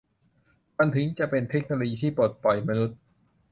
มันถึงจะเป็นเทคโนโลยีที่ปลดปล่อยมนุษย์